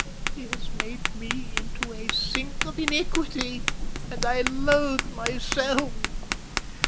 He has made me into a sink of iniquity, and I loathe myself.